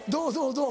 どう？